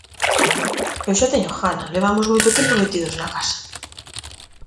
Eu xa teño gana, levamos moito tempo metidos na casa.